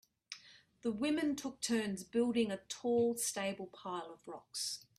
The women took turns building a tall stable pile of rocks.